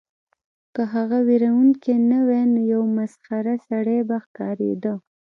که هغه ویرونکی نه وای نو یو مسخره سړی به ښکاریده